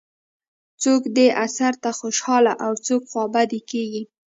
څوک دې اثر ته خوشاله او څوک خوابدي کېږي.